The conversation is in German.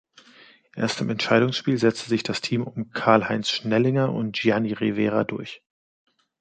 Erst im Entscheidungsspiel setzte sich das Team um Karl-Heinz Schnellinger und Gianni Rivera durch.